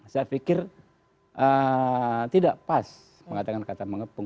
saya pikir tidak pas mengatakan kata mengepung